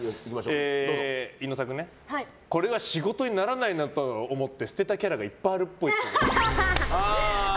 これは仕事にならないなと思って捨てたキャラがいっぱいあるっぽい。